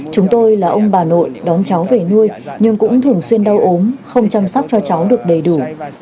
chúng tôi là ông bà nội đón cháu về nuôi nhưng cũng thường xuyên đau ốm không chăm sóc cho cháu được đầy đủ